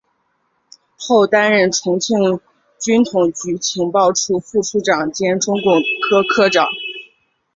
后担任重庆军统局情报处副处长兼中共科科长。